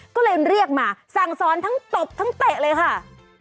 ก็เลยเรียกมาสั่งสอนทั้งตบทั้งเตะเลยค่ะ